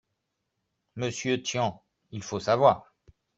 Monsieur Tian, il faut savoir